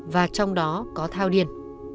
và trong đó có thao điên